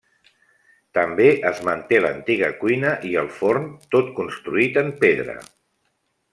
També es manté l'antiga cuina i el forn, tot construït en pedra.